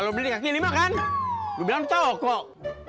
lu bilang tau kok